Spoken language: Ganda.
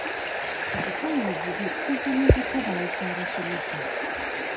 Okukola obubi kuva ku butabaawo kw'abasomesa.